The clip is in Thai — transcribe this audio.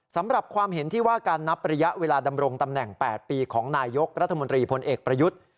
สำหรับความเห็นที่ว่าการนับระยะเวลาดำรงตำแหน่ง๘ปีของนายยกรัฐมนตรีพลเอกประยุทธ์